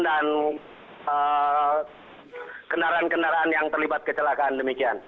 dan kendaraan kendaraan yang terlibat kecelakaan demikian